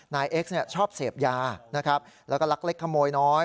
เอ็กซ์ชอบเสพยานะครับแล้วก็ลักเล็กขโมยน้อย